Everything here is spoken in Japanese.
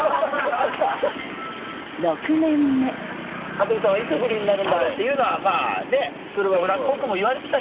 羽鳥さんはいつフリーになるんだろうっていうのは冗談っぽくも言われてた。